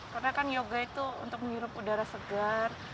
karena kan yoga itu untuk menyuruh udara segar